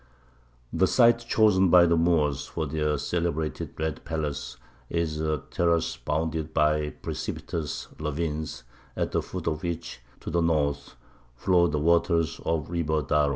The site chosen by the Moors for their celebrated Red Palace is a terrace bounded by precipitous ravines, at the foot of which, to the north, flow the waters of the river Darro.